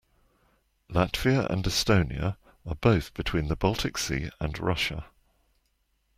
Latvia and Estonia are both between the Baltic Sea and Russia.